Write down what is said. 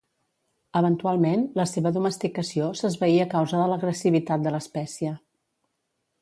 Eventualment, la seva domesticació s'esvaí a causa de l'agressivitat de l'espècie.